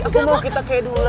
aku mau kita kayak dulu